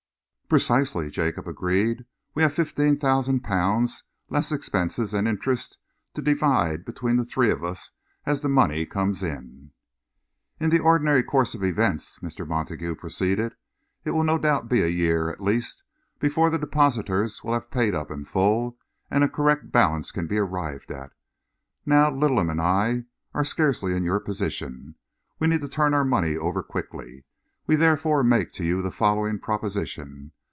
"Precisely," Jacob agreed. "We have fifteen thousand pounds, less expenses and interest, to divide between the three of us as the money comes in." "In the ordinary course of events," Mr. Montague proceeded, "it will no doubt be a year at least before the depositors will have paid up in full and a correct balance can be arrived at. Now Littleham and I are scarcely in your position. We need to turn our money over quickly. We therefore make to you the following proposition.